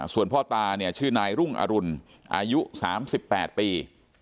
ส่วนพ่อตาเนี่ยชื่อนายรุ่งอรุณอายุ๓๘ปี